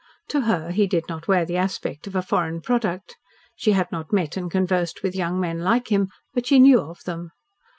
To her he did not wear the aspect of a foreign product. She had not met and conversed with young men like him, but she knew of them.